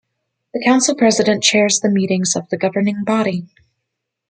The Council President chairs the meetings of the governing body.